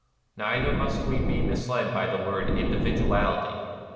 ... Neither must we be misled by the word 'individuality.'